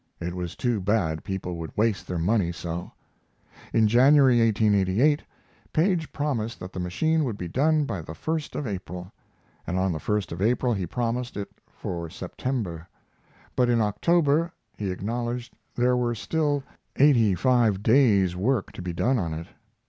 It was too bad people would waste their money so. In January, 1888, Paige promised that the machine would be done by the 1st of April. On the 1st of April he promised it for September, but in October he acknowledged there were still eighty five days' work to be done on it.